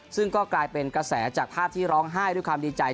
ซึ่งก็กลายเป็นกระแสจากภาพที่ร้องไห้ด้วยความดีใจ